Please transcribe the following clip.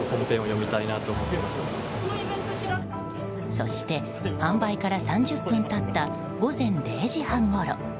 そして、販売から３０分経った午前０時半ごろ。